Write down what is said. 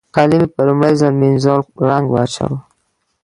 کالو مې په لومړي ځل مينځول رنګ واچاوو.